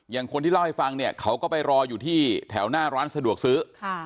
คนที่เล่าให้ฟังเนี่ยเขาก็ไปรออยู่ที่แถวหน้าร้านสะดวกซื้อ